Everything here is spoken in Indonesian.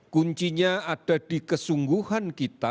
kuncinya ada di kesungguhan kita